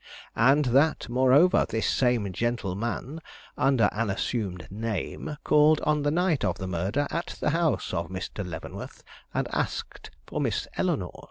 And that, moreover, this same gentleman, under an assumed name, called on the night of the murder at the house of Mr. Leavenworth and asked for Miss Eleanore.